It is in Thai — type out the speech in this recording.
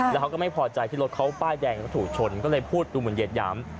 แล้วเขาก็ไม่พอใจที่รถเขาป้ายแดงเขาถูกชนก็เลยพูดดูเหมือนเหยียดหยาม